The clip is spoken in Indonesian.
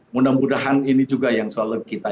mudah mudahan ini juga yang soal kita